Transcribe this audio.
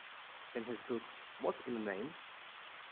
In his book What's in a Name?